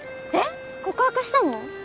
えっ告白したの？